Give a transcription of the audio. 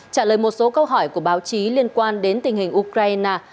trả lời một số câu hỏi của báo chí liên quan đến tình hình ukraine